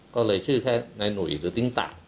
ก็เลยชื่อแค่นายหนุ่ยหรือติ้งตะ